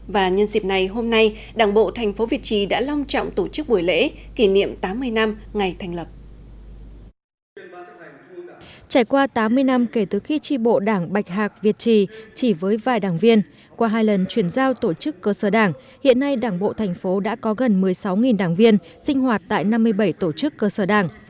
và nhân dịp này hôm nay đảng bộ thành phố việt trì đã long trọng tổ chức buổi lễ kỷ niệm tám mươi năm ngày thành lập